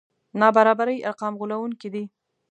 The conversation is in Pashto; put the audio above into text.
د نابرابرۍ ارقام غولوونکي دي.